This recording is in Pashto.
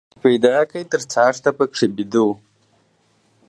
چې پيدا يې کى تر څاښته پکښي بيده وو.